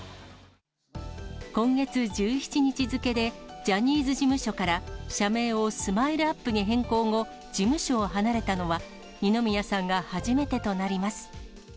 今月１７日付でジャニーズ事務所から社名をスマイルアップに変更後、事務所を離れたのは、二宮さんが初めてとなります。